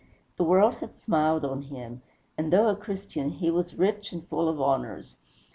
The world had smiled on him, and though a Christian, he was rich and full of honors.